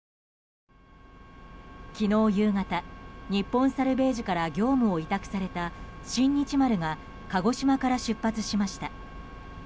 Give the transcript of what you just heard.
昨日夕方、日本サルヴェージから業務を委託された「新日丸」が鹿児島から出発しました。